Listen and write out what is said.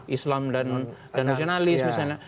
islam dan nasionalis misalnya